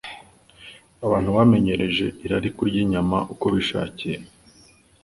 Abantu bamenyereje irari kurya inyama uko bishakiye,